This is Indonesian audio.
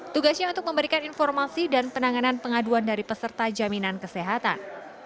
tugasnya untuk memberikan informasi dan penanganan pengaduan dari peserta jaminan kesehatan